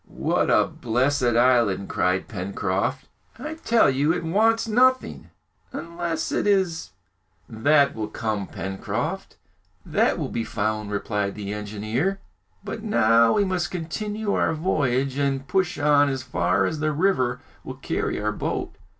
What a blessed island!" cried Pencroft. "I tell you, it wants nothing unless it is " "That will come, Pencroft, that will be found," replied the engineer; "but now we must continue our voyage and push on as far as the river will carry our boat!"